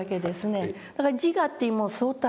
だから自我っていうもう相対的だ